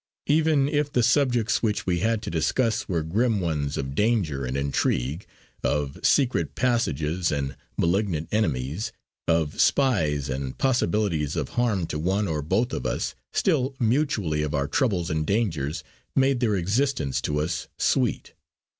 Even if the subjects which we had to discuss were grim ones of danger and intrigue; of secret passages and malignant enemies; of spies and possibilities of harm to one or both of us, still mutuality of our troubles and dangers made their existence to us sweet.